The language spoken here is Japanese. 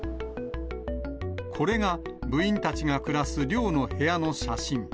これが部員たちが暮らす寮の部屋の写真。